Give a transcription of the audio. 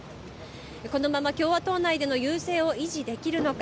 このまま共和党内での優勢を維持できるのか。